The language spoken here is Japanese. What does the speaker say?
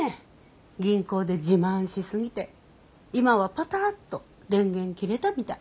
銀行で自慢しすぎて今はパタッと電源切れたみたい。